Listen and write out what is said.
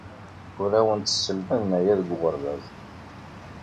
Ur awent-sselmaden aya deg uɣerbaz.